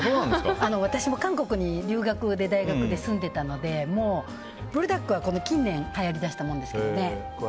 私も韓国に大学留学で住んでたのでもう、ブルダックは近年はやりだしたものですよね。